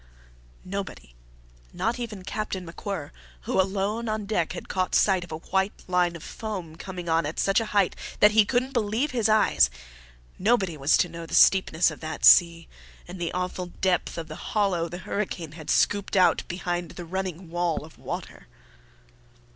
Nobody not even Captain MacWhirr, who alone on deck had caught sight of a white line of foam coming on at such a height that he couldn't believe his eyes nobody was to know the steepness of that sea and the awful depth of the hollow the hurricane had scooped out behind the running wall of water.